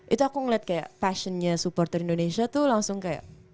itu aku ngeliat kayak passionnya supporter indonesia tuh langsung kayak